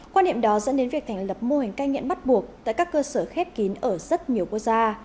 quan niệm đó dẫn đến việc thành lập mô hình cai nghiện bắt buộc tại các cơ sở khép kín ở rất nhiều quốc gia